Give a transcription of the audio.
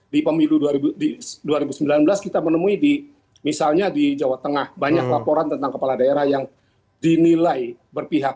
di pemilu dua ribu sembilan belas kita menemui di misalnya di jawa tengah banyak laporan tentang kepala daerah yang dinilai berpihak